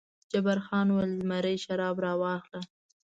جبار خان وویل: زمري شراب راواخله.